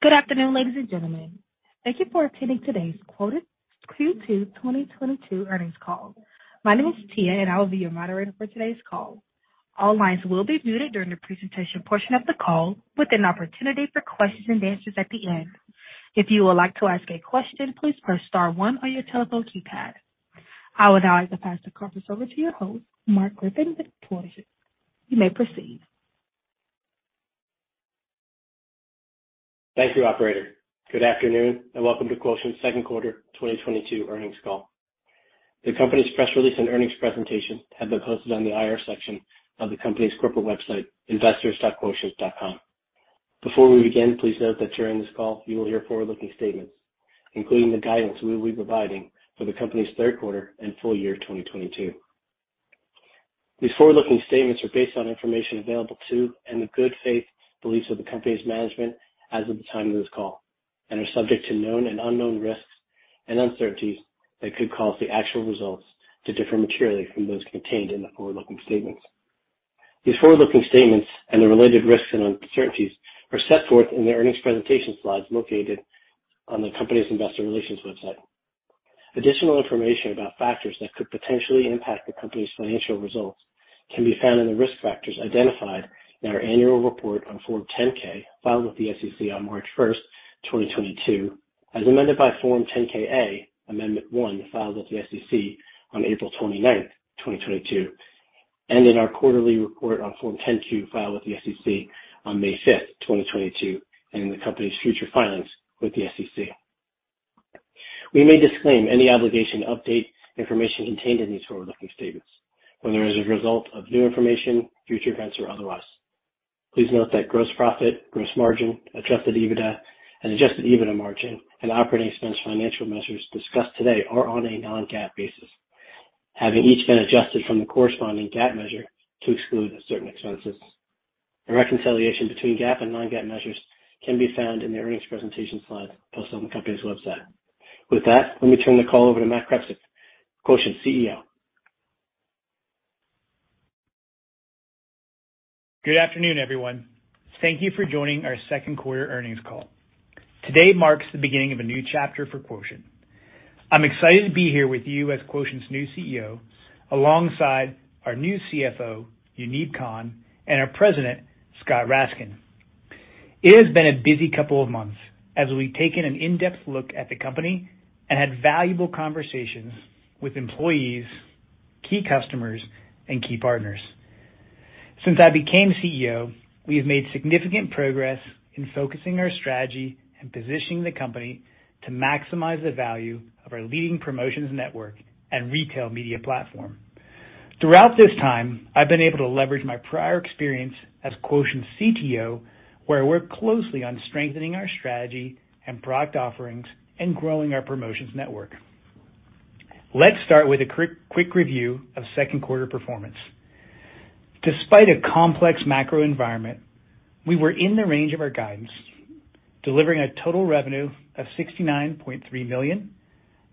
Good afternoon, ladies and gentlemen. Thank you for attending today's Quotient Q2 2022 earnings call. My name is Tia, and I will be your moderator for today's call. All lines will be muted during the presentation portion of the call with an opportunity for questions and answers at the end. If you would like to ask a question, please press star one on your telephone keypad. I would now like to pass the conference over to your host, Marc Griffin with Quotient. You may proceed. Thank you, operator. Good afternoon, and welcome to Quotient's second quarter 2022 earnings call. The company's press release and earnings presentation have been posted on the IR section of the company's corporate website, investors.quotient.com. Before we begin, please note that during this call, you will hear forward-looking statements, including the guidance we will be providing for the company's third quarter and full year 2022. These forward-looking statements are based on information available to and the good faith beliefs of the company's management as of the time of this call and are subject to known and unknown risks and uncertainties that could cause the actual results to differ materially from those contained in the forward-looking statements. These forward-looking statements and the related risks and uncertainties are set forth in the earnings presentation slides located on the company's Investor Relations website. Additional information about factors that could potentially impact the company's financial results can be found in the risk factors identified in our annual report on Form 10-K filed with the SEC on March 1, 2022, as amended by Form 10-K, Amendment One, filed with the SEC on April 29, 2022, and in our quarterly report on Form 10-Q filed with the SEC on May 5, 2022, and in the company's future filings with the SEC. We may disclaim any obligation to update information contained in these forward-looking statements when there is a result of new information, future events, or otherwise. Please note that gross profit, gross margin, adjusted EBITDA, adjusted EBITDA margin, and operating expense financial measures discussed today are on a non-GAAP basis, having each been adjusted from the corresponding GAAP measure to exclude certain expenses. A reconciliation between GAAP and non-GAAP measures can be found in the earnings presentation slides posted on the company's website. With that, let me turn the call over to Matt Krepsik, Quotient's CEO. Good afternoon, everyone. Thank you for joining our second quarter earnings call. Today marks the beginning of a new chapter for Quotient. I'm excited to be here with you as Quotient's new CEO alongside our new CFO, Yuneeb Khan, and our President, Scott Raskin. It has been a busy couple of months as we've taken an in-depth look at the company and had valuable conversations with employees, key customers, and key partners. Since I became CEO, we have made significant progress in focusing our strategy and positioning the company to maximize the value of our leading promotions network and retail media platform. Throughout this time, I've been able to leverage my prior experience as Quotient's CTO, where I worked closely on strengthening our strategy and product offerings and growing our promotions network. Let's start with a quick review of second quarter performance. Despite a complex macro environment, we were in the range of our guidance, delivering a total revenue of $69.3 million,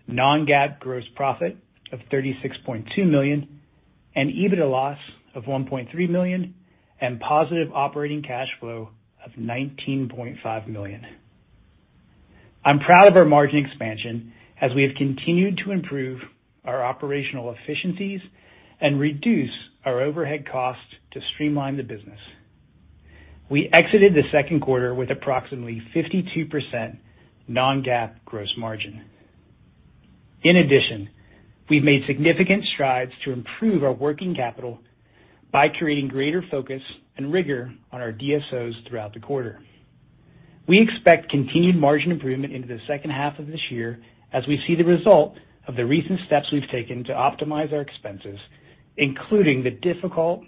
non-GAAP gross profit of $36.2 million, an EBITDA loss of $1.3 million, and positive operating cash flow of $19.5 million. I'm proud of our margin expansion as we have continued to improve our operational efficiencies and reduce our overhead costs to streamline the business. We exited the second quarter with approximately 52% non-GAAP gross margin. In addition, we've made significant strides to improve our working capital by creating greater focus and rigor on our DSOs throughout the quarter. We expect continued margin improvement into the second half of this year as we see the result of the recent steps we've taken to optimize our expenses, including the difficult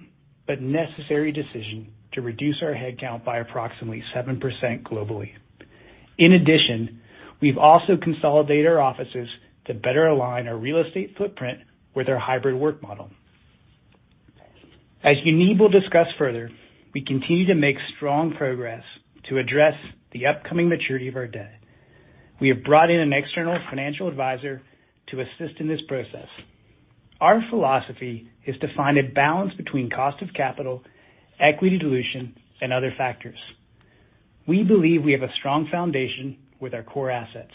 but necessary decision to reduce our headcount by approximately 7% globally. In addition, we've also consolidated our offices to better align our real estate footprint with our hybrid work model. As Yuneeb will discuss further, we continue to make strong progress to address the upcoming maturity of our debt. We have brought in an external financial advisor to assist in this process. Our philosophy is to find a balance between cost of capital, equity dilution, and other factors. We believe we have a strong foundation with our core assets,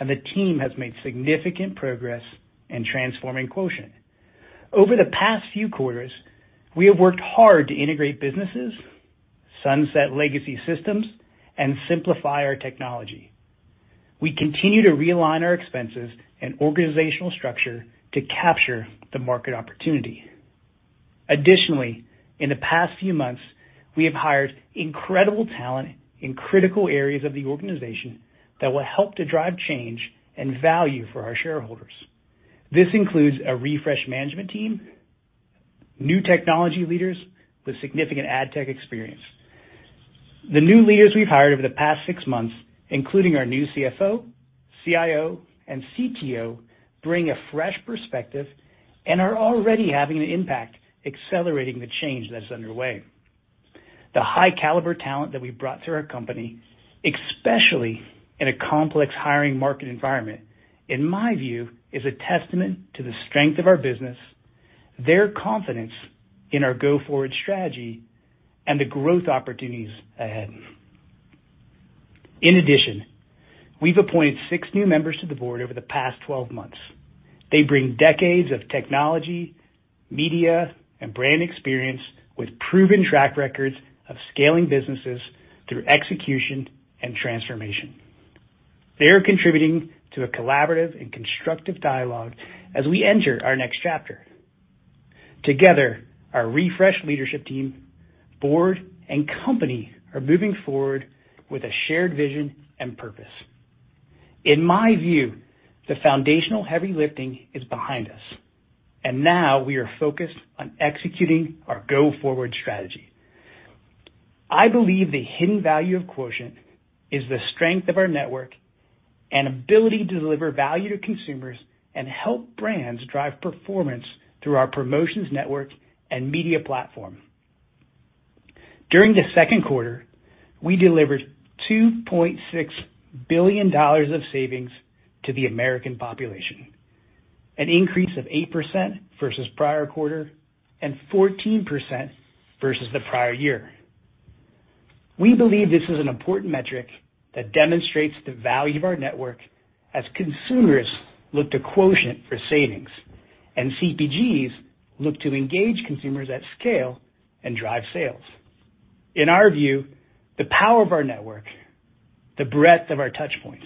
and the team has made significant progress in transforming Quotient. Over the past few quarters, we have worked hard to integrate businesses, sunset legacy systems, and simplify our technology. We continue to realign our expenses and organizational structure to capture the market opportunity. Additionally, in the past few months, we have hired incredible talent in critical areas of the organization that will help to drive change and value for our shareholders. This includes a refreshed management team, new technology leaders with significant ad tech experience. The new leaders we've hired over the past six months, including our new CFO, CIO, and CTO, bring a fresh perspective and are already having an impact accelerating the change that is underway. The high caliber talent that we've brought to our company, especially in a complex hiring market environment, in my view, is a testament to the strength of our business. Their confidence in our go forward strategy and the growth opportunities ahead. In addition, we've appointed six new members to the board over the past 12 months. They bring decades of technology, media, and brand experience with proven track records of scaling businesses through execution and transformation. They are contributing to a collaborative and constructive dialogue as we enter our next chapter. Together, our refreshed leadership team, board, and company are moving forward with a shared vision and purpose. In my view, the foundational heavy lifting is behind us, and now we are focused on executing our go-forward strategy. I believe the hidden value of Quotient is the strength of our network and ability to deliver value to consumers and help brands drive performance through our promotions network and media platform. During the second quarter, we delivered $2.6 billion of savings to the American population, an increase of 8% versus prior quarter and 14% versus the prior year. We believe this is an important metric that demonstrates the value of our network as consumers look to Quotient for savings and CPGs look to engage consumers at scale and drive sales. In our view, the power of our network, the breadth of our touch points,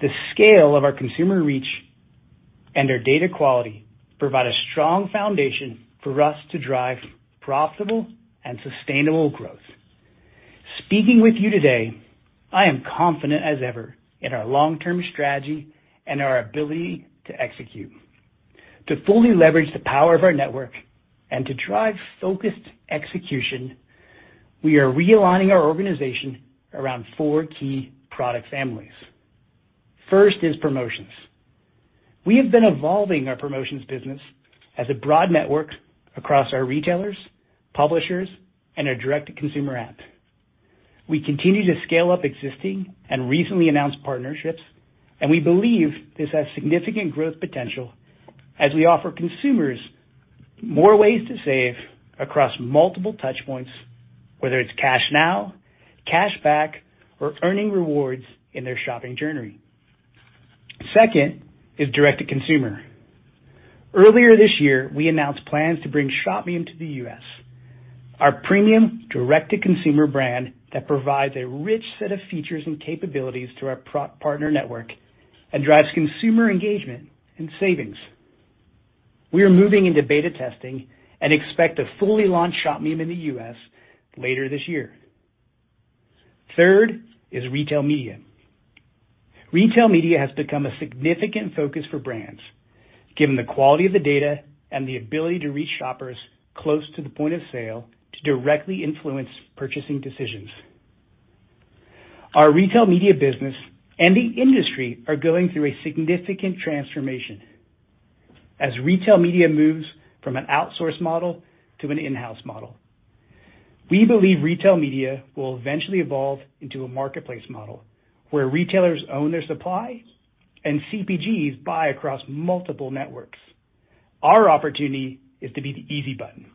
the scale of our consumer reach, and our data quality provide a strong foundation for us to drive profitable and sustainable growth. Speaking with you today, I am confident as ever in our long-term strategy and our ability to execute. To fully leverage the power of our network and to drive focused execution, we are realigning our organization around four key product families. First is promotions. We have been evolving our promotions business as a broad network across our retailers, publishers, and our direct-to-consumer app. We continue to scale up existing and recently announced partnerships, and we believe this has significant growth potential as we offer consumers more ways to save across multiple touch points, whether it's cash now, cash back, or earning rewards in their shopping journey. Second is direct-to-consumer. Earlier this year, we announced plans to bring Shopmium into the U.S., our premium direct-to-consumer brand that provides a rich set of features and capabilities to our pro-partner network and drives consumer engagement and savings. We are moving into beta testing and expect to fully launch Shopmium in the U.S. later this year. Third is retail media. Retail media has become a significant focus for brands, given the quality of the data and the ability to reach shoppers close to the point of sale to directly influence purchasing decisions. Our retail media business and the industry are going through a significant transformation as retail media moves from an outsourced model to an in-house model. We believe retail media will eventually evolve into a marketplace model where retailers own their supply and CPGs buy across multiple networks. Our opportunity is to be the easy button,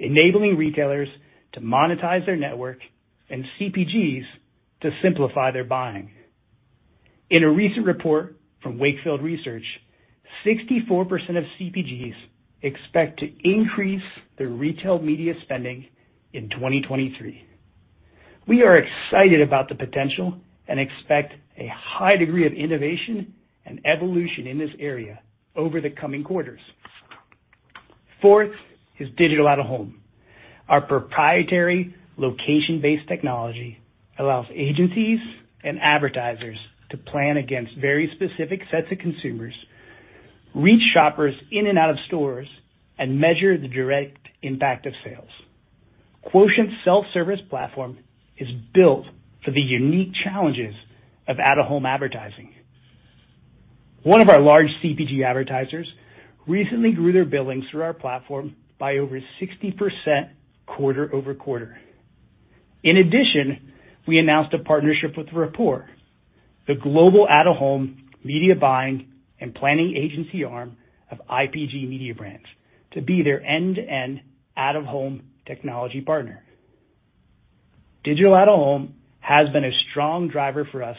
enabling retailers to monetize their network and CPGs to simplify their buying. In a recent report from Wakefield Research, 64% of CPGs expect to increase their retail media spending in 2023. We are excited about the potential and expect a high degree of innovation and evolution in this area over the coming quarters. Fourth is digital out-of-home. Our proprietary location-based technology allows agencies and advertisers to plan against very specific sets of consumers, reach shoppers in and out of stores, and measure the direct impact of sales. Quotient self-service platform is built for the unique challenges of out-of-home advertising. One of our large CPG advertisers recently grew their billings through our platform by over 60% quarter-over-quarter. In addition, we announced a partnership with Rapport, the global out-of-home media buying and planning agency arm of IPG Mediabrands, to be their end-to-end out-of-home technology partner. Digital out-of-home has been a strong driver for us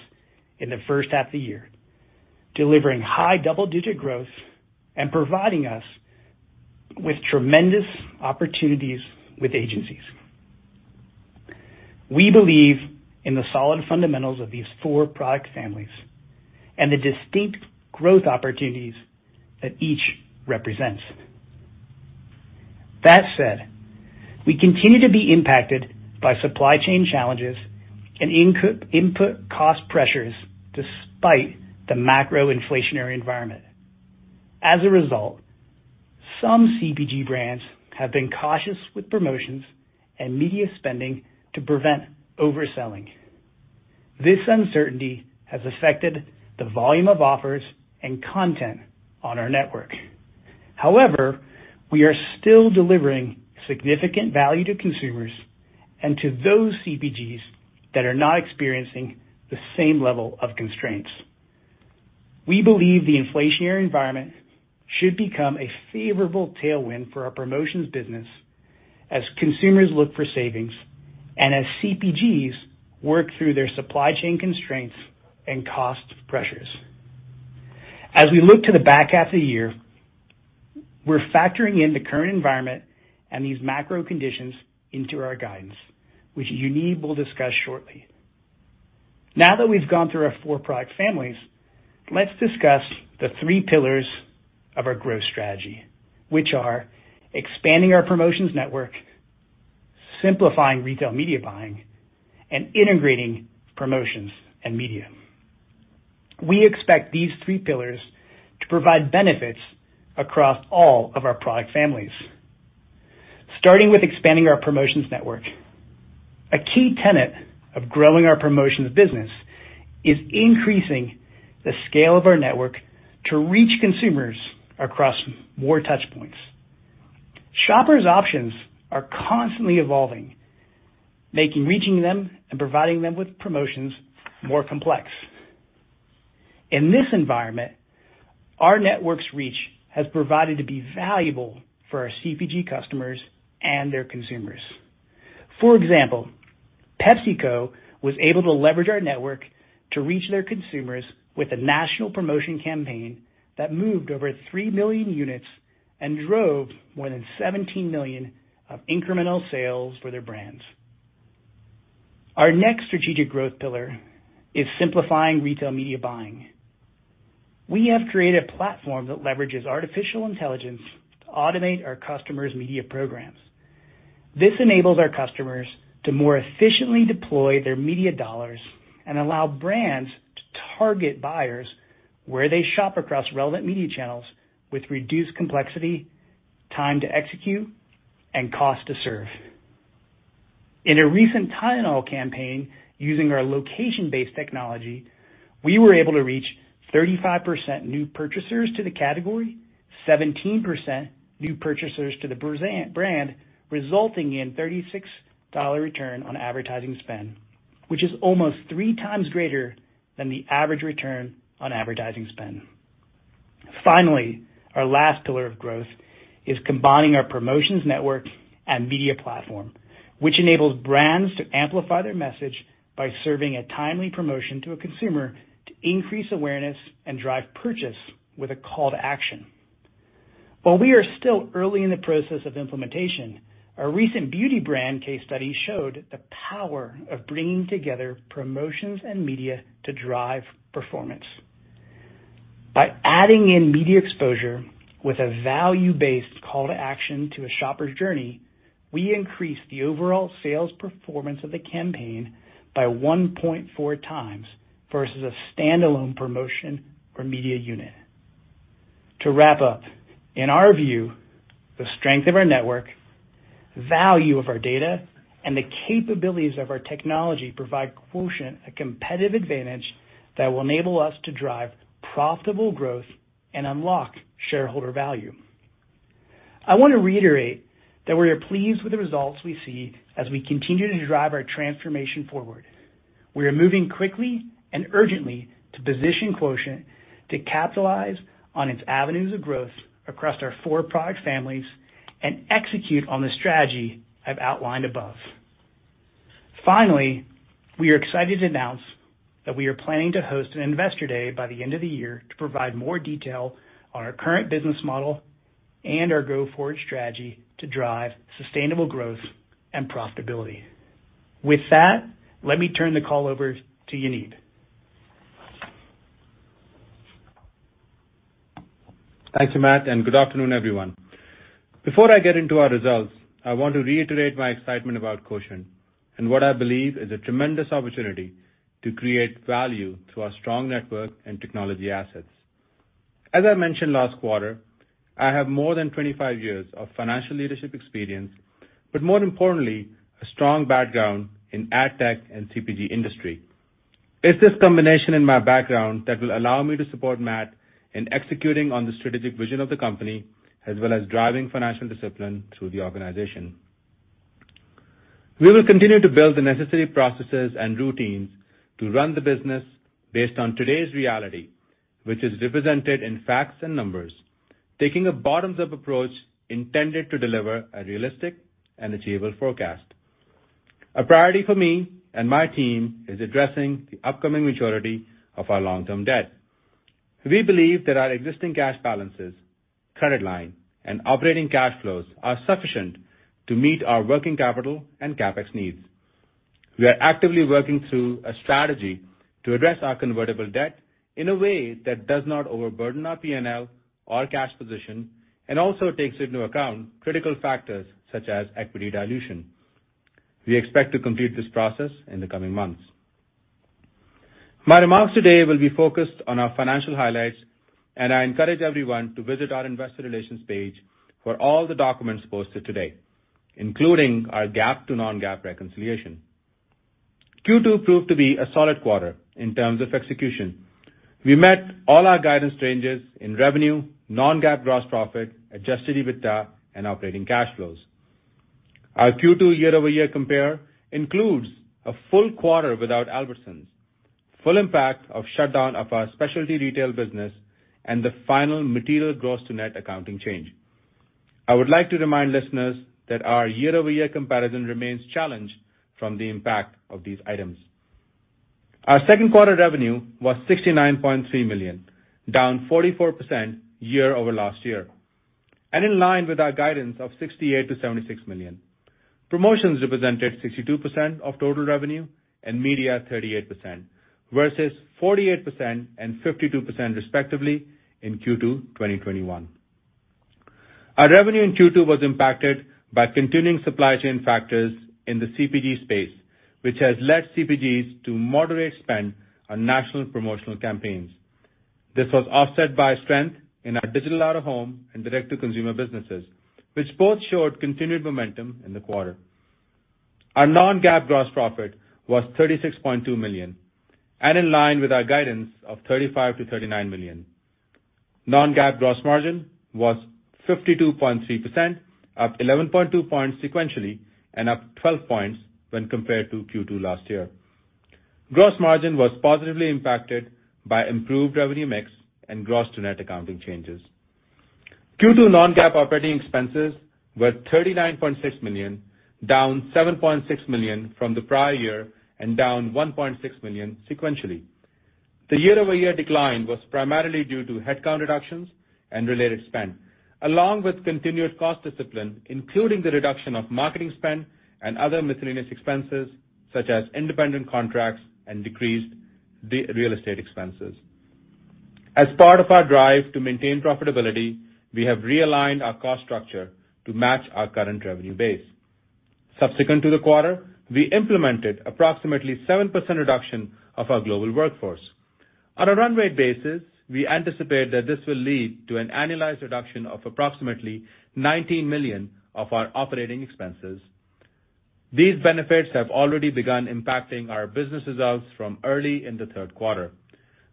in the first half of the year, delivering high double-digit growth and providing us with tremendous opportunities with agencies. We believe in the solid fundamentals of these four product families and the distinct growth opportunities that each represents. That said, we continue to be impacted by supply chain challenges and input cost pressures despite the macro inflationary environment. As a result, some CPG brands have been cautious with promotions and media spending to prevent overselling. This uncertainty has affected the volume of offers and content on our network. However, we are still delivering significant value to consumers and to those CPGs that are not experiencing the same level of constraints. We believe the inflationary environment should become a favorable tailwind for our promotions business as consumers look for savings and as CPGs work through their supply chain constraints and cost pressures. As we look to the back half of the year, we're factoring in the current environment and these macro conditions into our guidance, which Yuneeb will discuss shortly. Now that we've gone through our four product families, let's discuss the three pillars of our growth strategy, which are expanding our promotions network, simplifying retail media buying, and integrating promotions and media. We expect these three pillars to provide benefits across all of our product families. Starting with expanding our promotions network. A key tenet of growing our promotions business is increasing the scale of our network to reach consumers across more touchpoints. Shoppers' options are constantly evolving, making reaching them and providing them with promotions more complex. In this environment, our network's reach has proven to be valuable for our CPG customers and their consumers. For example, PepsiCo was able to leverage our network to reach their consumers with a national promotion campaign that moved over three million units and drove more than $17 million of incremental sales for their brands. Our next strategic growth pillar is simplifying retail media buying. We have created a platform that leverages artificial intelligence to automate our customers' media programs. This enables our customers to more efficiently deploy their media dollars and allow brands to target buyers where they shop across relevant media channels with reduced complexity, time to execute, and cost to serve. In a recent Tylenol campaign using our location-based technology, we were able to reach 35% new purchasers to the category, 17% new purchasers to the brand, resulting in $36 return on advertising spend, which is almost three times greater than the average return on advertising spend. Finally, our last pillar of growth is combining our promotions network and media platform, which enables brands to amplify their message by serving a timely promotion to a consumer to increase awareness and drive purchase with a call to action. While we are still early in the process of implementation, our recent beauty brand case study showed the power of bringing together promotions and media to drive performance. By adding in media exposure with a value-based call to action to a shopper's journey, we increased the overall sales performance of the campaign by 1.4x versus a standalone promotion or media unit. To wrap up, in our view, the strength of our network, value of our data, and the capabilities of our technology provide Quotient a competitive advantage that will enable us to drive profitable growth and unlock shareholder value. I want to reiterate that we are pleased with the results we see as we continue to drive our transformation forward. We are moving quickly and urgently to position Quotient to capitalize on its avenues of growth across our four product families and execute on the strategy I've outlined above. Finally, we are excited to announce that we are planning to host an investor day by the end of the year to provide more detail on our current business model and our go-forward strategy to drive sustainable growth and profitability. With that, let me turn the call over to Yuneeb. Thank you, Matt, and good afternoon, everyone. Before I get into our results, I want to reiterate my excitement about Quotient and what I believe is a tremendous opportunity to create value through our strong network and technology assets. As I mentioned last quarter, I have more than 25 years of financial leadership experience, but more importantly, a strong background in ad tech and CPG industry. It's this combination in my background that will allow me to support Matt in executing on the strategic vision of the company, as well as driving financial discipline through the organization. We will continue to build the necessary processes and routines to run the business based on today's reality, which is represented in facts and numbers, taking a bottoms-up approach intended to deliver a realistic and achievable forecast. A priority for me and my team is addressing the upcoming maturity of our long-term debt. We believe that our existing cash balances, credit line, and operating cash flows are sufficient to meet our working capital and CapEx needs. We are actively working through a strategy to address our convertible debt in a way that does not overburden our P&L or cash position and also takes into account critical factors such as equity dilution. We expect to complete this process in the coming months. My remarks today will be focused on our financial highlights, and I encourage everyone to visit our investor relations page for all the documents posted today, including our GAAP to non-GAAP reconciliation. Q2 proved to be a solid quarter in terms of execution. We met all our guidance ranges in revenue, non-GAAP gross profit, adjusted EBITDA, and operating cash flows. Our Q2 year-over-year compare includes a full quarter without Albertsons, full impact of shutdown of our specialty retail business, and the final material gross to net accounting change. I would like to remind listeners that our year-over-year comparison remains challenged from the impact of these items. Our second quarter revenue was $69.3 million, down 44% year-over-year, and in line with our guidance of $68 million-$76 million. Promotions represented 62% of total revenue and media 38% versus 48% and 52% respectively in Q2 2021. Our revenue in Q2 was impacted by continuing supply chain factors in the CPG space, which has led CPGs to moderate spend on national promotional campaigns. This was offset by strength in our digital out-of-home and direct-to-consumer businesses, which both showed continued momentum in the quarter. Our non-GAAP gross profit was $36.2 million, and in line with our guidance of $35-$39 million. Non-GAAP gross margin was 52.3%, up 11.2 points sequentially, and up 12 points when compared to Q2 last year. Gross margin was positively impacted by improved revenue mix and gross to net accounting changes. Q2 non-GAAP operating expenses were $39.6 million, down $7.6 million from the prior year and down $1.6 million sequentially. The year-over-year decline was primarily due to headcount reductions and related spend, along with continued cost discipline, including the reduction of marketing spend and other miscellaneous expenses such as independent contracts and decreased real estate expenses. As part of our drive to maintain profitability, we have realigned our cost structure to match our current revenue base. Subsequent to the quarter, we implemented approximately 7% reduction of our global workforce. On a run rate basis, we anticipate that this will lead to an annualized reduction of approximately $19 million of our operating expenses. These benefits have already begun impacting our business results from early in the third quarter.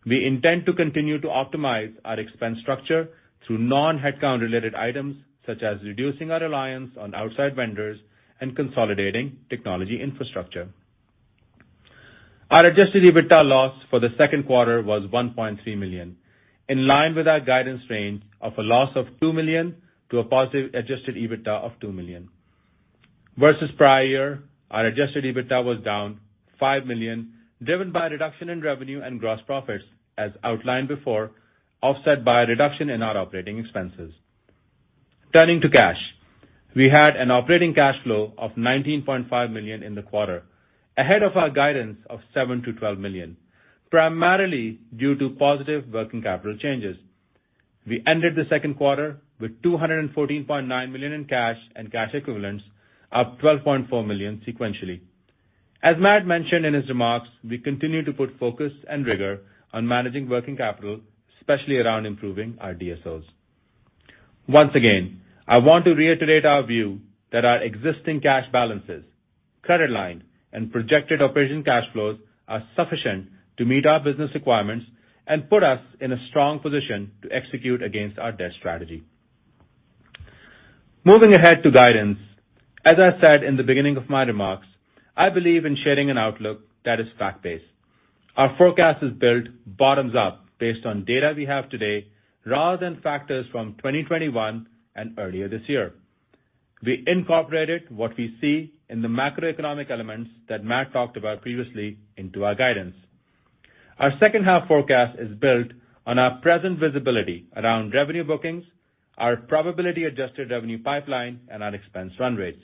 We intend to continue to optimize our expense structure through non-headcount related items, such as reducing our reliance on outside vendors and consolidating technology infrastructure. Our adjusted EBITDA loss for the second quarter was $1.3 million, in line with our guidance range of a loss of $2 million to a positive adjusted EBITDA of $2 million. Versus prior year, our adjusted EBITDA was down $5 million, driven by a reduction in revenue and gross profits as outlined before, offset by a reduction in our operating expenses. Turning to cash. We had an operating cash flow of $19.5 million in the quarter, ahead of our guidance of $7 million-$12 million, primarily due to positive working capital changes. We ended the second quarter with $214.9 million in cash and cash equivalents, up $12.4 million sequentially. As Matt mentioned in his remarks, we continue to put focus and rigor on managing working capital, especially around improving our DSOs. Once again, I want to reiterate our view that our existing cash balances, credit line, and projected operating cash flows are sufficient to meet our business requirements and put us in a strong position to execute against our debt strategy. Moving ahead to guidance. As I said in the beginning of my remarks, I believe in sharing an outlook that is fact-based. Our forecast is built bottoms up based on data we have today, rather than factors from 2021 and earlier this year. We incorporated what we see in the macroeconomic elements that Matt talked about previously into our guidance. Our second half forecast is built on our present visibility around revenue bookings, our probability adjusted revenue pipeline, and our expense run rates.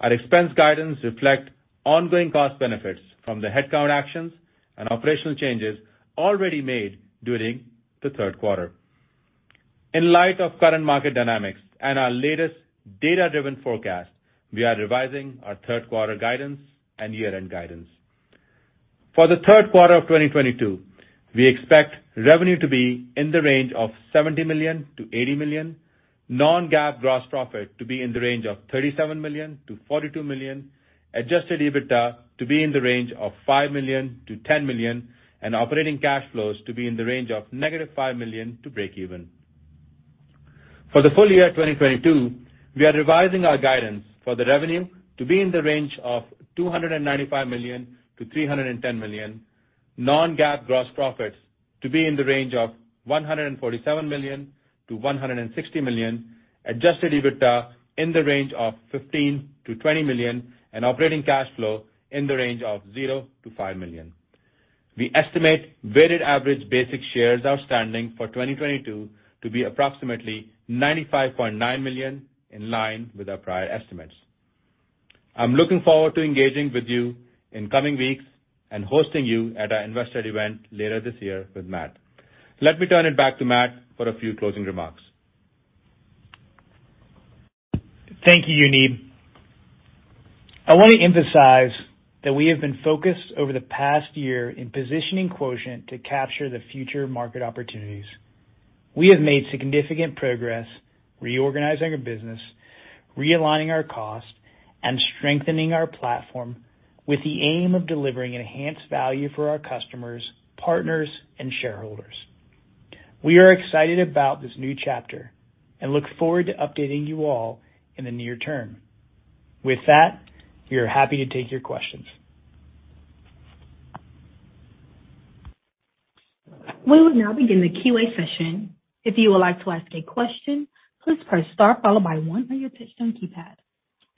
Our expense guidance reflect ongoing cost benefits from the headcount actions and operational changes already made during the third quarter. In light of current market dynamics and our latest data-driven forecast, we are revising our third quarter guidance and year-end guidance. For the third quarter of 2022, we expect revenue to be in the range of $70 million-$80 million, non-GAAP gross profit to be in the range of $37 million-$42 million, adjusted EBITDA to be in the range of $5 million-$10 million, and operating cash flows to be in the range of -$5 million to break even. For the full year 2022, we are revising our guidance for the revenue to be in the range of $295 million-$310 million, non-GAAP gross profits to be in the range of $147 million-$160 million, adjusted EBITDA in the range of $15 million-$20 million, and operating cash flow in the range of $0-$5 million. We estimate weighted average basic shares outstanding for 2022 to be approximately 95.9 million, in line with our prior estimates. I'm looking forward to engaging with you in coming weeks and hosting you at our investor event later this year with Matt. Let me turn it back to Matt for a few closing remarks. Thank you, Yuneeb. I want to emphasize that we have been focused over the past year in positioning Quotient to capture the future market opportunities. We have made significant progress reorganizing our business, realigning our cost, and strengthening our platform with the aim of delivering enhanced value for our customers, partners, and shareholders. We are excited about this new chapter and look forward to updating you all in the near term. With that, we are happy to take your questions. We will now begin the Q&A session. If you would like to ask a question, please press star followed by one on your touch-tone keypad.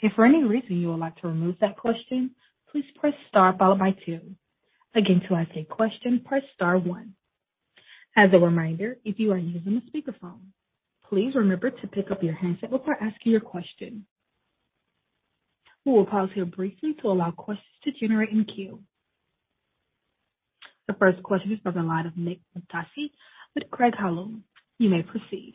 If for any reason you would like to remove that question, please press star followed by two. Again, to ask a question, press star one. As a reminder, if you are using a speakerphone, please remember to pick up your handset before asking your question. We will pause here briefly to allow questions to generate in queue. The first question is from the line of Nick Mattiacci with Craig-Hallum. You may proceed.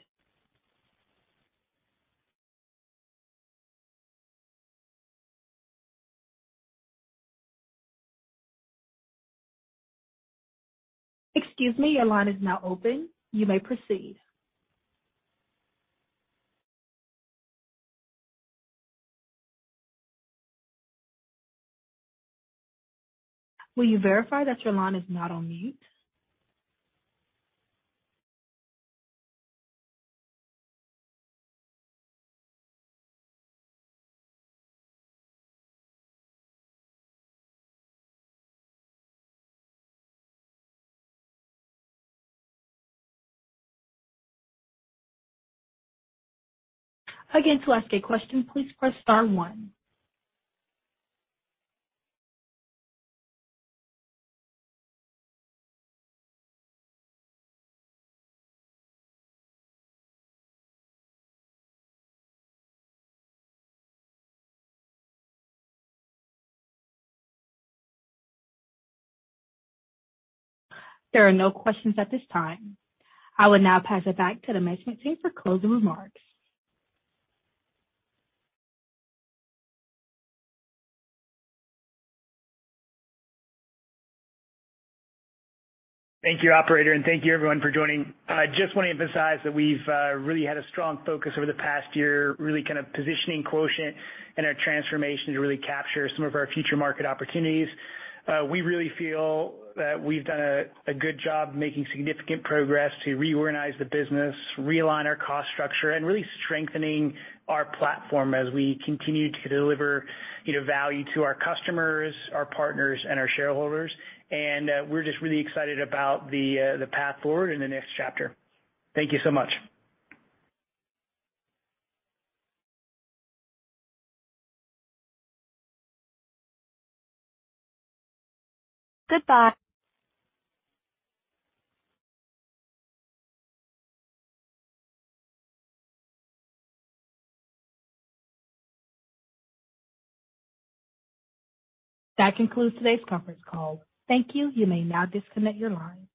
Excuse me, your line is now open. You may proceed. Will you verify that your line is not on mute? Again, to ask a question, please press star one. There are no questions at this time. I will now pass it back to the management team for closing remarks. Thank you, operator, and thank you everyone for joining. I just want to emphasize that we've really had a strong focus over the past year, really kind of positioning Quotient and our transformation to really capture some of our future market opportunities. We really feel that we've done a good job making significant progress to reorganize the business, realign our cost structure, and really strengthening our platform as we continue to deliver, you know, value to our customers, our partners, and our shareholders. We're just really excited about the path forward in the next chapter. Thank you so much. Goodbye. That concludes today's conference call. Thank you. You may now disconnect your line.